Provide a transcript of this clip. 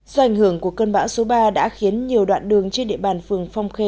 do ảnh hưởng của cơn bão số ba đã khiến nhiều đoạn đường trên địa bàn phường phong khê